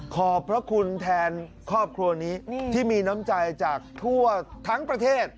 ขอบพระคุณแทนครอบครัวนี้ที่มีน้ำใจจากทั่วทั้งประเทศ